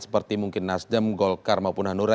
seperti mungkin nasdem golkar maupun hanura